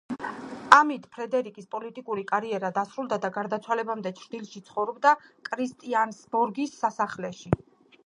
ამით ფრედერიკის პოლიტიკური კარიერა დასრულდა და გარდაცვალებამდე ჩრდილში ცხოვრობდა, კრისტიანსბორგის სასახლეში.